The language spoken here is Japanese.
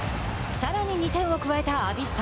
さらに２点を加えたアビスパ。